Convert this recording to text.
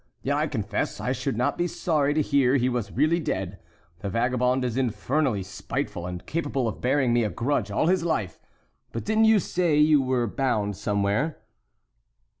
yet I confess I should not be sorry to hear he was really dead; the vagabond is infernally spiteful, and capable of bearing me a grudge all his life. But didn't you say you were bound somewhere?"